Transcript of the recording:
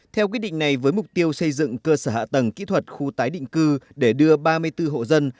theo quyết định này với mục tiêu xây dựng cơ sở hạ tầng kỹ thuật khu tái định cư để đưa ba mươi bốn hộ dân